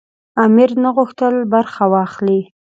امیر نه غوښتل برخه واخلي.